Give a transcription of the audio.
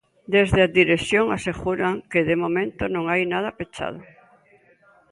Desde a dirección aseguran que, de momento, non hai nada pechado.